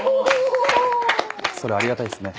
それはありがたいですね。